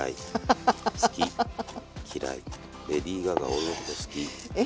好き嫌いレディー・ガガ俺のこと好きえ何？